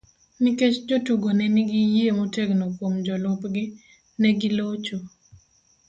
Nikech jotugo ne nigi yie motegno kuom jolupgi, ne gilocho.